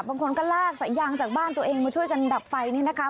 บางคนก็ลากสายยางจากบ้านตัวเองมาช่วยกันดับไฟนี่นะคะ